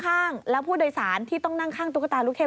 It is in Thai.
ข้างแล้วผู้โดยสารที่ต้องนั่งข้างตุ๊กตาลูกเทพ